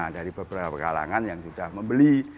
dari beberapa kalangan yang sudah membeli